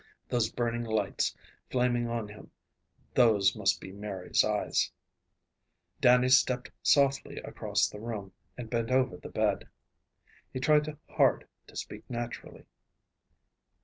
Those burning lights, flaming on him, those must be Mary's eyes. Dannie stepped softly across the room, and bent over the bed. He tried hard to speak naturally.